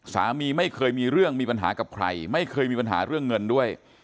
สามีไม่เคยมีเรื่องมีปัญหากับใครไม่เคยมีปัญหาเรื่องเงินด้วย